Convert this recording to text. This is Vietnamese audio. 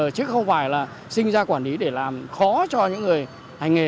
chứ không phải là sinh ra quản lý để làm khó cho những người hành nghề